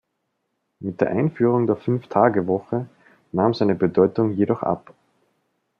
Mit der Einführung der Fünftagewoche nahm seine Bedeutung jedoch ab.